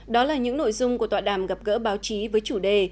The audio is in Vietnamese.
đó là những nội dung của tọa đàm gặp gỡ báo chí với chủ đề